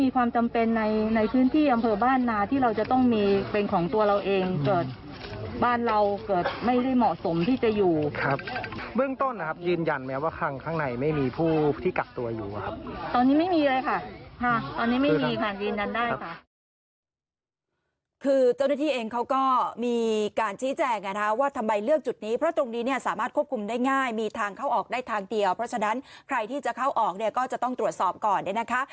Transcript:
คือเจ้าหน้าที่เองเขาก็มีการชี้แจงว่าทำไมเลือกจุดนี้เพราะตรงนี้เนี่ยสามารถควบคุมได้ง่ายมีทางเข้าออกได้ทางเดียวเพราะฉะนั้นใครที่จะเข้าออกเนี่ยก็จะต้องตรวจสอบก่อนเนี่ยนะคะ